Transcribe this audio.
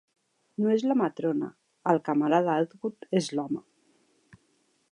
No és la matrona: el camarada Outwood és l'home.